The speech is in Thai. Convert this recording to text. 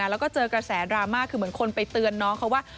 แล้วก็เจอกระแสดราม่าคือเหมือนคนไปเตือนน้องเขาว่า